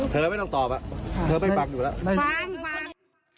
เธอไม่ต้องตอบอ่ะเธอไม่ฟังอยู่แล้วไม่ฟังฟัง